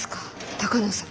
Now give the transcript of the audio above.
鷹野さん。